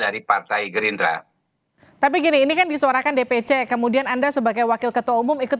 dari partai gerindra tapi gini ini kan disuarakan dpc kemudian anda sebagai wakil ketua umum ikut